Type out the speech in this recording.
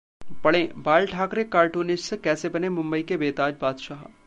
पढ़ें- बाल ठाकरे कार्टूनिस्ट से कैसे बने मुंबई के बेताज बादशाह